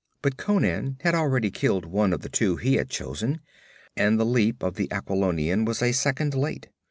But Conan had already killed one of the two he had chosen, and the leap of the Aquilonian was a second late.